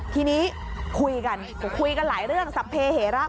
ทีนี้คุยกันคุยกันหลายเรื่องสัมเพเหระ